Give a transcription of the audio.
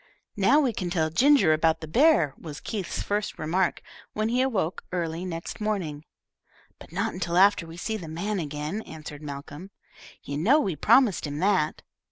"Now we can tell Ginger about the bear," was Keith's first remark, when he awoke early next morning. "But not until after we have seen the man again," answered Malcolm. "You know we promised him that."